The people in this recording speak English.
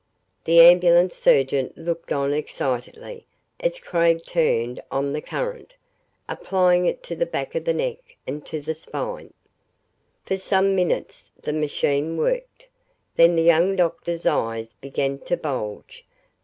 The ambulance surgeon looked on excitedly, as Craig turned on the current, applying it to the back of the neck and to the spine. For some minutes the machine worked. Then the young doctor's eyes began to bulge.